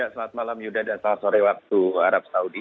selamat malam yuda dan selamat sore waktu arab saudi